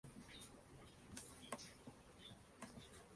Un patrón de búsqueda puede ser muy simple o extremadamente complicado.